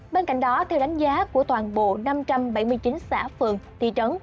bên cạnh đó theo đánh giá của toàn bộ năm trăm bảy mươi chín xã phường thị trấn